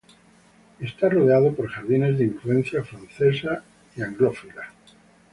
Está rodeado por jardines de influencias francesas e inglesas.